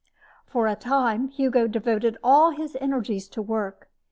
For a time, Hugo devoted all his energies to work.